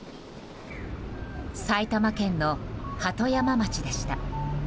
埼玉県の鳩山町でした。